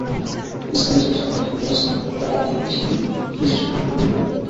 ইসলামী জেরুজালেমের ধর্মীয় স্থাপত্যকলায় দাউদের উপস্থিতি বিশেষভাবে গুরুত্বপূর্ণ।